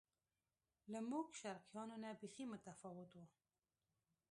له موږ شرقیانو نه بیخي متفاوت و.